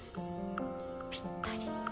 ぴったり。